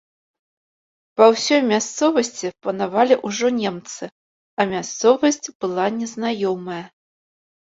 Па ўсёй мясцовасці панавалі ўжо немцы, а мясцовасць была незнаёмая.